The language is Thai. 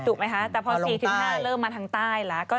ถูกไหมคะแต่พอ๔๕เริ่มมาทางใต้แล้ว